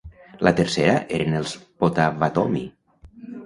La tercera eren els potawatomi.